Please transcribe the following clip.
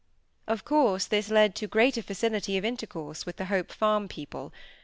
Of course this led to greater facility of intercourse with the Hope Farm people.